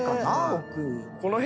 奥。